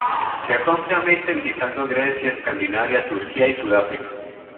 Viajó ampliamente visitando Grecia, Escandinavia, Turquía y Sudáfrica.